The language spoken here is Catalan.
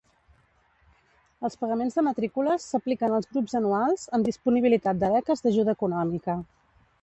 Els pagaments de matrícules s'apliquen als grups anuals, amb disponibilitat de beques d'ajuda econòmica.